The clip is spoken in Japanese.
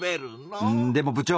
「うんでも部長！」。